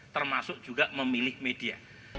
termasuk juga memilih media